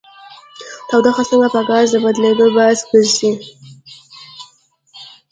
تودوخه څنګه په ګاز د بدلیدو باعث ګرځي؟